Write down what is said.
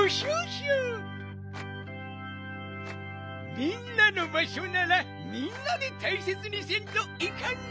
みんなのばしょならみんなでたいせつにせんといかんな。